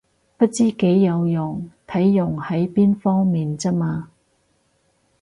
不知幾有用，睇用喺邊方面咋嘛